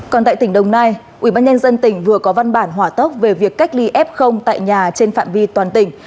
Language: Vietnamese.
còn tại tỉnh đồng nai ubnd tỉnh vừa có văn bản hỏa tốc về việc cách ly f tại nhà trên phạm vi toàn tỉnh